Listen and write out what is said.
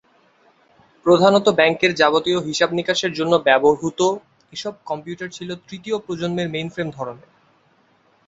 প্রধানত ব্যাংকের যাবতীয় হিসাব-নিকাশের জন্য ব্যবহূত এসব কম্পিউটার ছিল তৃতীয় প্রজন্মের মেইনফ্রেম ধরনের।